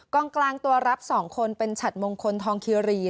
กลางกลางตัวรับ๒คนเป็นฉัดมงคลทองคิรี